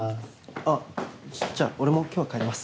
あっじゃあ俺も今日は帰ります。